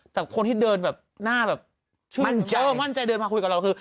แต่คนที่เดินแบบหน้าแบบมั่นใจเดินมาคุยกับเราคือ